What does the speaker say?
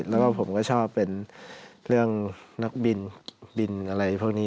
แล้วก็ผมก็ชอบเป็นเรื่องนักบินบินอะไรพวกนี้